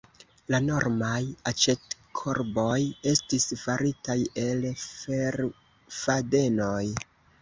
La normaj aĉetkorboj estis faritaj el ferfadenoj.